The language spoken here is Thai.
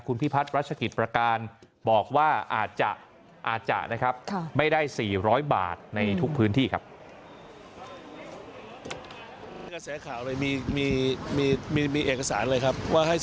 คุณพิพัฒน์รัชกิจประการบอกว่าอาจจะนะครับไม่ได้๔๐๐บาทในทุกพื้นที่ครับ